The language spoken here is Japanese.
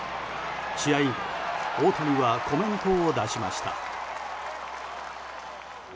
試合後、大谷はコメントを出しました。